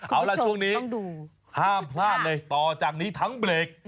เอาล่ะช่วงนี้ห้ามพลาดเลยต่อจากนี้ทั้งเบรก